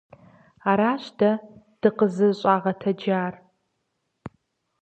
Аращ дэ дыкъызыщӀагъэтэджар.